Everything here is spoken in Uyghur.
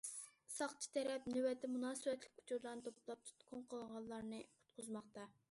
ساقچى تەرەپ نۆۋەتتە مۇناسىۋەتلىك ئۇچۇرلارنى توپلاپ، تۇتقۇن قىلىنغانلارنى قۇتقۇزماقتا.